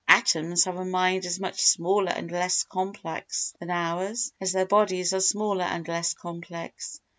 Atoms have a mind as much smaller and less complex than ours as their bodies are smaller and less complex.